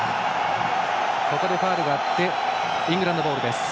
ここでファウルがあってイングランドボールです。